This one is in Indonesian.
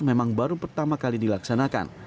memang baru pertama kali dilaksanakan